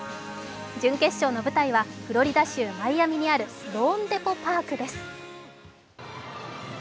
準決勝の舞台はフロリダ州マイアミにあるローンデポ・パークです。